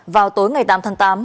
vào tối ngày tám tháng tám